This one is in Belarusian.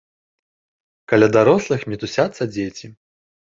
Каля дарослых мітусяцца дзеці.